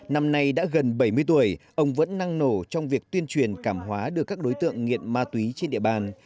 năm nay đã gần bảy mươi tuổi ông vẫn năng nổ trong việc tuyên truyền cảm hóa được các đối tượng nghiện ma túy trên địa bàn